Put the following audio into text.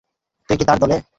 তুই কি তার দলে?